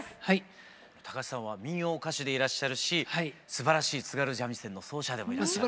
高橋さんは民謡歌手でいらっしゃるしすばらしい津軽三味線の奏者でもいらっしゃる。